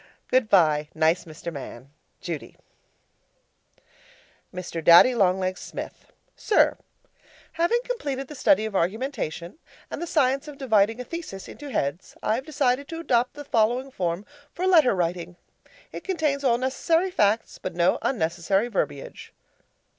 Goodbye, nice Mr. Man, Judy Mr. Daddy Long Legs Smith, SIR: Having completed the study of argumentation and the science of dividing a thesis into heads, I have decided to adopt the following form for letter writing. It contains all necessary facts, but no unnecessary verbiage.